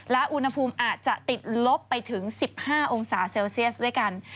และอุณหภูมิอาจจะติดลบไปถึง๑๕องศาเซลเซียสด้วยกัน